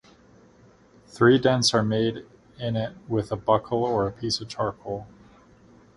Three dents are made in it with a buckle or a piece of charcoal.